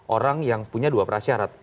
orang yang punya dua prasyarat